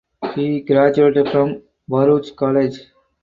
He graduated from Baruch College.